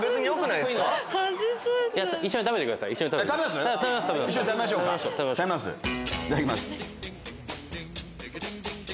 いただきます。